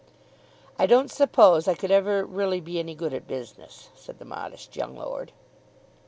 "I don't suppose I could ever really be any good at business," said the modest young lord.